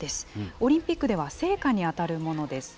オリンピックでは聖火に当たるものです。